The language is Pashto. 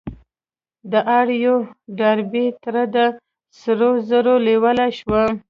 د آر يو ډاربي تره د سرو زرو لېواله شو.